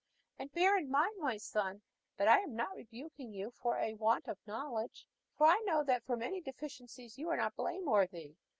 And bear in mind, my son, that I am not rebuking you for a want of knowledge; for I know that for many deficiencies you are not blameworthy.